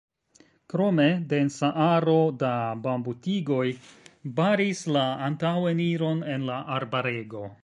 Krome densa aro da bambutigoj baris la antaŭeniron en la arbarego.